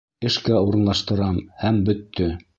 Эшкә урынлаштырам, һәм бөттө!